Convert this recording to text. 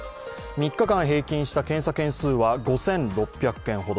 ３日間平均した検査件数は５６００件ほど。